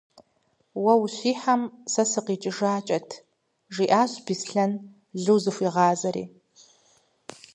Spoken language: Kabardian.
- Уэ ущихьэм, сэ сыкъикӏыжакӏэт, - жиӏащ Беслъэн Лу зыхуигъазэри.